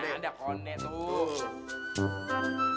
ini ada kondi tuh